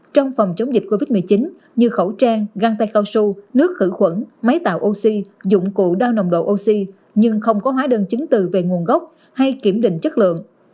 trong phòng chống dịch covid một mươi chín như khẩu trang găng tay cao su nước khử khuẩn máy tạo oxy dụng cụ đo nồng độ oxy nhưng không có hóa đơn chứng từ về nguồn gốc hay kiểm định chất lượng